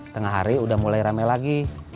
tengah hari udah mulai rame lagi